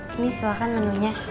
ini silakan menunya